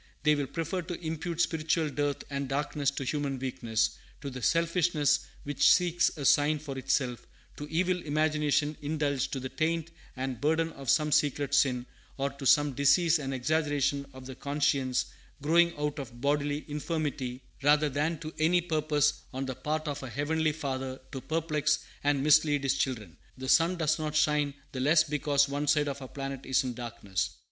They will prefer to impute spiritual dearth and darkness to human weakness, to the selfishness which seeks a sign for itself, to evil imaginations indulged, to the taint and burden of some secret sin, or to some disease and exaggeration of the conscience, growing out of bodily infirmity, rather than to any purpose on the part of our Heavenly Father to perplex and mislead His children. The sun does not shine the less because one side of our planet is in darkness.